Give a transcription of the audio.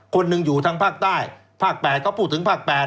คนหนึ่งอยู่ทางภาคใต้ภาค๘เขาพูดถึงภาค๘